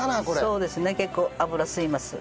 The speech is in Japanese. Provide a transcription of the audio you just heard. そうですね結構油吸います。